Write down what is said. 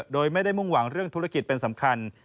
โดยไม่ได้มุ่งหวังเรื่องธุรกิจเป็นสำคัญ